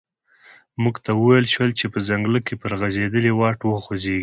موږ ته و ویل شول چې په ځنګله کې پر غزیدلي واټ وخوځیږئ.